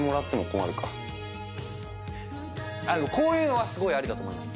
こういうのはすごいありだと思います。